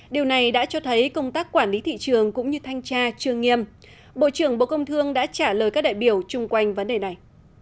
điều này đã cho thấy công tác quản lý thị trường cũng như thanh tra chưa nghiêm bộ trưởng bộ công thương đã trả lời các đại biểu chung quanh vấn đề này